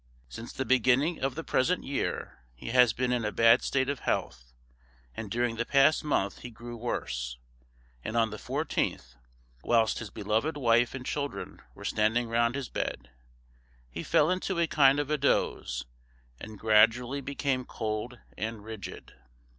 Since the beginning of the present year he has been in a bad state of health, and during the past month he grew worse, and on the 14th, whilst his beloved wife and children were standing round his bed, he fell into a kind of a doze, and gradually became cold and rigid.